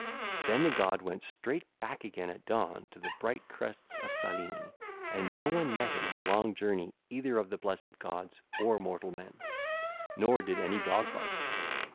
Then the god went straight back again at dawn to the bright crests of Cyllene, and no one met him on the long journey either of the blessed gods or mortal men, nor did any dog bark.